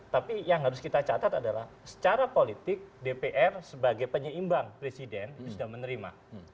tapi yang harus kita catat adalah secara politik dpr sebagai penyeimbang presiden sudah menerima